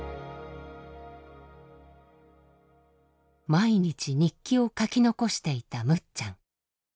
毎日日記を書き残していたむっちゃん。